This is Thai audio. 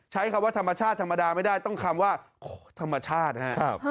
ใช้คำว่าธรรมชาติธรรมดาไม่ได้ต้องคำว่าธรรมชาตินะครับ